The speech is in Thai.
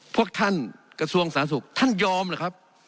พวกท่านกระทรวงสาธารณสุขท่านยอมหรือครับ